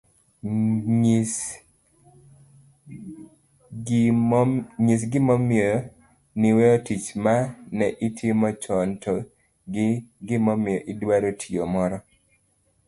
Nyis gimomiyo niweyo tich ma ne itimo chon to gi gimomiyo idwaro tiyo moro